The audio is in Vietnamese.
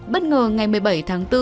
bất ngờ ngày một mươi bảy tháng bốn